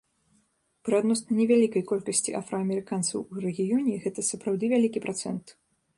Пры адносна невялікай колькасці афраамерыканцаў у рэгіёне гэта сапраўды вялікі працэнт.